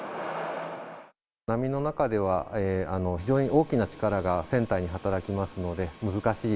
波の中では、非常に大きな力が船体に働きますので、難しい。